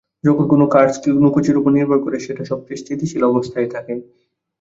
যখন কোনো কার্স কিছুর উপর ভর করে, সেটা সবচেয়ে স্থিতিশীল অবস্থায় থাকে।